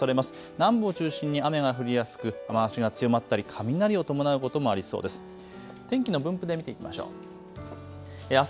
南部を中心に雨が降りやすく雨足が強まったり雷を伴うこともありそうです。